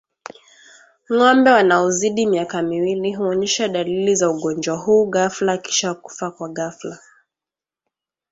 Ng'ombe wanaozidi miaka miwili huonyesha dalili za ugonjwa huu ghafla kisha kufa kwa ghafla